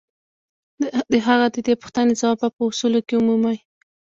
د هغه د دې پوښتنې ځواب به په اصولو کې ومومئ.